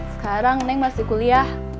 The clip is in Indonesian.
sekarang neng masih kuliah